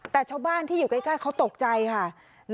แต่ชาวบ้านที่อยู่ใกล้เขาตกใจค่ะ